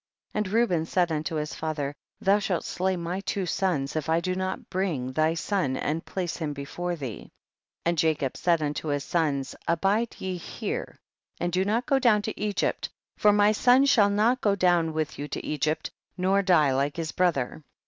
5. And Reuben said unto his father, thou shalt slay my two sons if I do not bring thy son and place him before thee ; and Jacob said unto his sons, abide ye here and do not go down to Egypt, for my son shall not go down with you to Egypt, nor die like his brother.